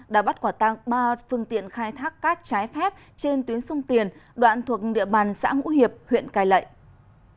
đã bắt quả tăng ba phương tiện khai thác cát trái phép trên tuyến sông tiền đoạn thuộc địa bàn xã hữu hiệp huyện cài lệ